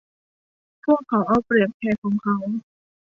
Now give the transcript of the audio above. พวกเขาเอาเปรียบแขกของเขา